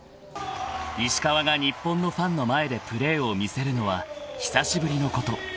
［石川が日本のファンの前でプレーを見せるのは久しぶりのこと］